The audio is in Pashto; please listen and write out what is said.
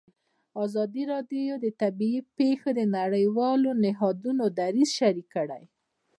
ازادي راډیو د طبیعي پېښې د نړیوالو نهادونو دریځ شریک کړی.